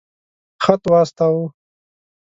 خط واستاوه.